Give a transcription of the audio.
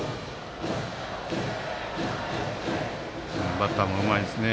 バッターもうまいですね。